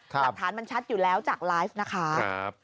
หลักฐานมันชัดอยู่แล้วจากไลฟ์นะคะ